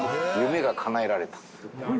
夢がかなえられた。